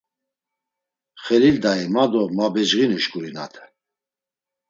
“Xelil Dai!” ma do mabecğinu şǩurinate.